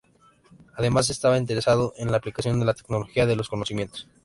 Además estaba interesado en la aplicación de la tecnología de los conocimientos.